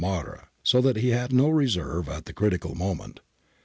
Marra, so that he had no reserve at the critical moment.